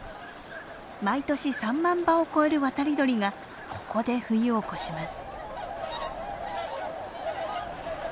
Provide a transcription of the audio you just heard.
毎年３万羽を超える渡り鳥がここで冬を越します。